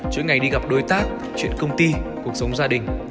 chuyện ngày đi gặp đối tác chuyện công ty cuộc sống gia đình